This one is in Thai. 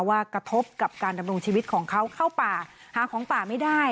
กระทบกับการดำรงชีวิตของเขาเข้าป่าหาของป่าไม่ได้